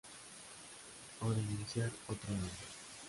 O denunciar otro daño.